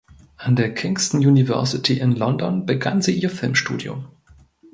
An der Kingston University in London begann sie ihr Filmstudium.